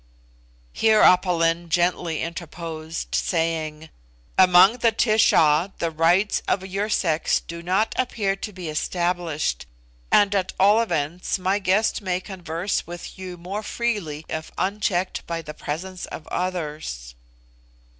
Here Aph Lin gently interposed, saying, "Among the Tish a the rights of your sex do not appear to be established, and at all events my guest may converse with you more freely if unchecked by the presence of others."